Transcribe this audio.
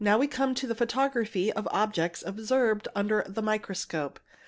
We now come to photography of objects observed under the micros cope